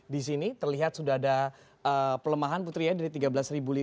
disini terlihat sudah ada pelemahan putri ya dari tiga belas lima ratus ke tiga belas tujuh ratus